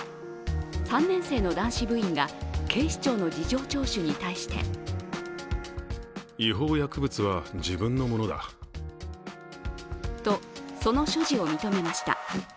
３年生の男子部員が警視庁の事情聴取に対してと、その所持を認めました。